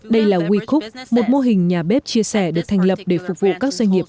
đây là wecook một mô hình nhà bếp chia sẻ được thành lập để phục vụ các doanh nghiệp